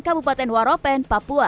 kabupaten waropen papua